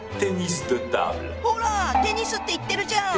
ほらテニスって言ってるじゃん。